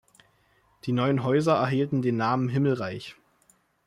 Die neuen Häuser erhielten den Namen "Himmelreich".